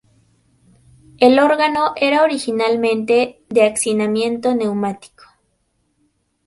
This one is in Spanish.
El órgano era originalmente de accionamiento neumático.